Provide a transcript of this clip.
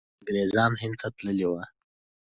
انګریزان هند ته تللي وو.